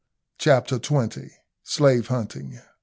CHAPTER TWENTY. SLAVE HUNTING.